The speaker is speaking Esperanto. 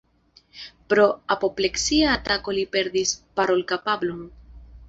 Pro apopleksia atako li perdis parolkapablon.